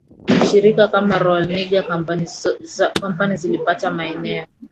shirika kama Royal Niger Company zilipata maeneo